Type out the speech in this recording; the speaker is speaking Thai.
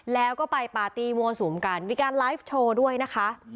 แล้วก็ไปปาร์ตี้มัวสุมกันมีการไลฟ์โชว์ด้วยนะคะ